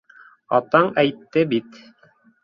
Атаң әйтте бит.